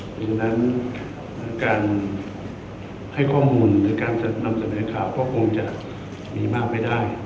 เพราะฉะนั้นการให้ข้อมูลหรือการนำเสนอข่าวก็คงจะมีมากไม่ได้